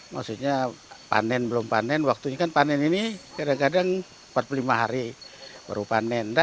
maksudnya panen belum panen waktunya kan panen ini kadang kadang empat puluh lima hari baru panen